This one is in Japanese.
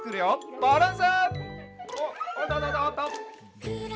バランス！